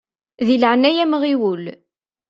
Di leɛnaya-m ɣiwel!